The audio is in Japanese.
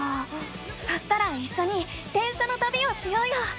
そしたらいっしょに電車のたびをしようよ！